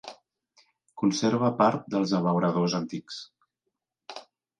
Conserva part dels abeuradors antics.